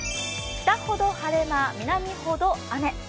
北ほど晴れ間、南ほど雨。